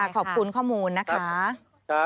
ขอบคุณข้อมูลนะคะ